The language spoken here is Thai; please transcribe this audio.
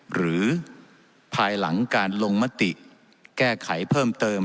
หรือภายหลังการลงมติแก้ไขเพิ่มเติม